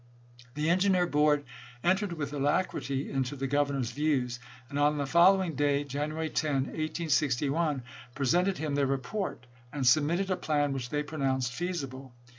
The engineer board entered with alacrity into the Governor's views, and on the following day (January 10, 1861) presented him their report, and submitted a plan which they pronounced feasible.